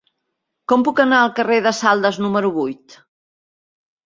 Com puc anar al carrer de Saldes número vuit?